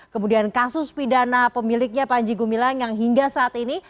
kemudian kasus pidana pemiliknya panji gumilang yang hingga saat ini